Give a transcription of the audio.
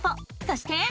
そして。